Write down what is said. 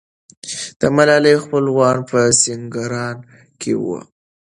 د ملالۍ خپلوان په سینګران کې وو.